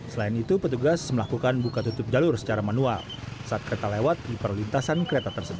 selain itu petugas melakukan buka tutup jalur secara manual saat kereta lewat di perlintasan kereta tersebut